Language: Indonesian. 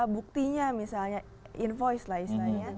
buktinya misalnya invoice lah istilahnya